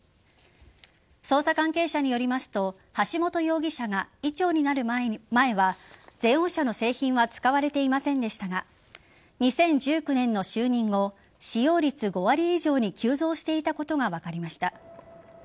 捜査関係者によりますと橋本容疑者が医長になる前はゼオン社の製品は使われていませんでしたが２０１９年の就任後使用率５割以上に急増していたことが分かりました。